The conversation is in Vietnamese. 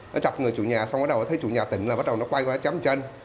nó chạp người chủ nhà xong bắt đầu nó thấy chủ nhà tỉnh là bắt đầu nó quay qua chém chân